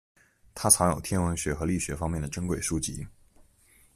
他藏有天文学和力学方面的珍贵书籍。